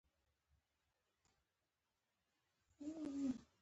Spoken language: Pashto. د فروډ شاګرد کارل يونګ خپله هم ارواپوه وو.